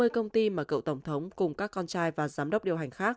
ba mươi công ty mà cựu tổng thống cùng các con trai và giám đốc điều hành khác